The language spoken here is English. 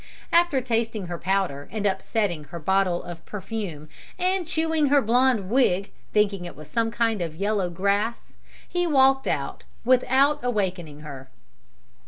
After tasting her powder, and upsetting her bottle of perfumery, and chewing her blonde wig, thinking it some kind of yellow grass, he walked out without awakening her.